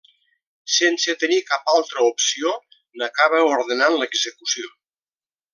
Sense tenir cap altra opció, n'acaba ordenant l'execució.